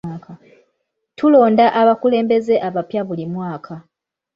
Tulonda abakulembeze abapya buli mwaka.